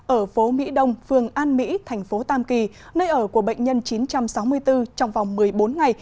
ở phố mỹ đông phường an mỹ thành phố tam kỳ nơi ở của bệnh nhân chín trăm sáu mươi bốn trong vòng một mươi bốn ngày